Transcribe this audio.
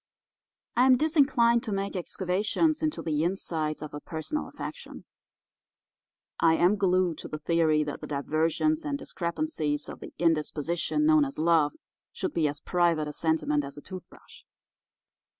I am disinclined to make excavations into the insides of a personal affection. I am glued to the theory that the diversions and discrepancies of the indisposition known as love should be as private a sentiment as a toothbrush.